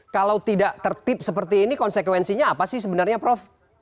kalau tidak tertip seperti ini konsekuensinya apa sih sebenarnya prof